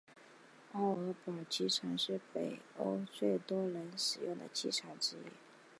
奥尔堡机场是北欧最多人使用的机场之一。